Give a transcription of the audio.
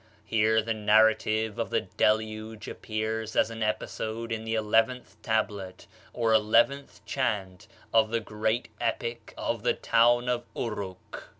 Here the narrative of the Deluge appears as an episode in the eleventh tablet, or eleventh chant of the great epic of the town of Uruk.